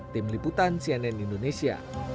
tim liputan cnn indonesia